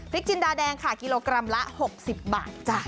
พริกจินดาแดงค่ะกิโลกรัมละ๖๐บาท